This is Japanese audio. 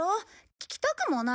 聞きたくもない。